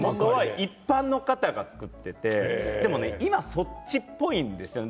一般の方が作っていて今、そっちっぽいんですよね。